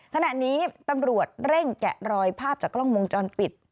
ขณะนี้ตำรวจเร่งแกะรอยภาพจากกล้องวงจรปิด